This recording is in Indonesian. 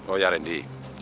oh ya randy